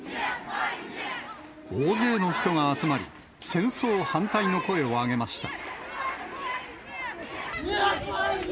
大勢の人が集まり、戦争反対の声を上げました。